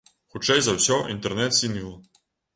Хутчэй за ўсё, інтэрнэт-сінгл.